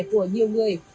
của nhiều người